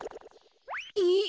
えっ？